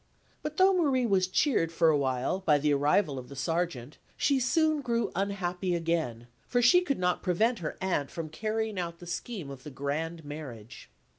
But though Marie was cheered for a while by the arrival of the Sergeant, she soon grew unhappy again; for she could not prevent her aunt from carrying out the scheme of the grand marriage.